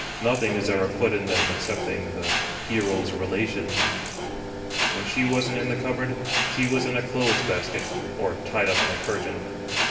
Nothing is ever put in them excepting the hero's relations. When she wasn't in the cupboard she was in a clothes basket, or tied up in a curtain.